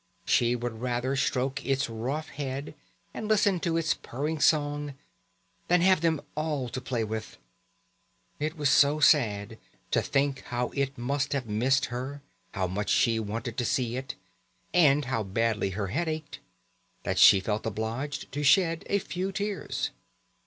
She would rather stroke its rough head, and listen to its purring song, than have them all to play with. It was so sad to think how it must have missed her, how much she wanted to see it, and how badly her head ached, that she felt obliged to shed a few tears.